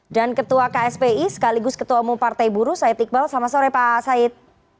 dan ketua kspi sekaligus ketua umum partai buruh said iqbal selamat sore pak said